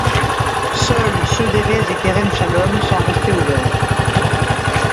Seul ceux d'Erez et Kerem Shalom sont restés ouvert.